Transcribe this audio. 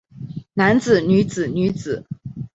男子女子女子